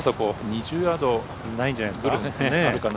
２０ヤードないんじゃないですか？